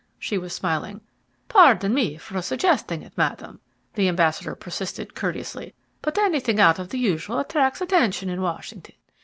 She was smiling. "Pardon me for suggesting it, Madam," the ambassador persisted courteously, "but anything out of the usual attracts attention in Washington.